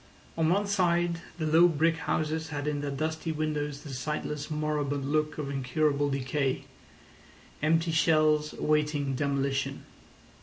On one side the low brick houses had in their dusty windows the sightless, moribund look of incurable decay—empty shells awaiting demolition.